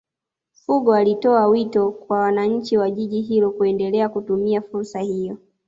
fungo alitoa wito kwa wananchi wa jiji hilo kuendelea kutumia fursa hiyo